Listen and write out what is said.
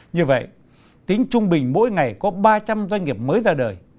như vậy tính trung bình mỗi ngày có ba trăm linh doanh nghiệp mới ra đời